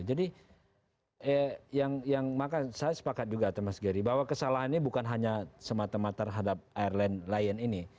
jadi saya sepakat juga teman segeri bahwa kesalahannya bukan hanya semata mata terhadap airline lain ini